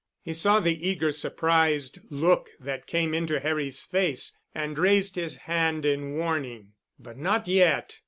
He saw the eager surprised look that came into Harry's face and raised his hand in warning—"But not yet.